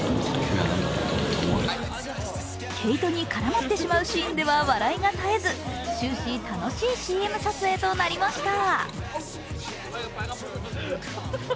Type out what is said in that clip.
毛糸に絡まってしまうシーンでは笑いが絶えず終始楽しいＣＭ撮影となりました。